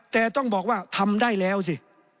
แต่ต้องบอกว่าทำได้แล้วสิ